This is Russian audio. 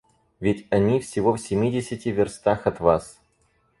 Ведь они всего в семидесяти верстах от вас.